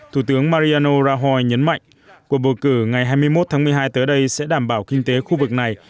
thủ tướng mariano rahoi nhấn mạnh cuộc bầu cử ngày hai mươi một tháng một mươi hai tới đây sẽ đảm bảo kinh tế khu vực này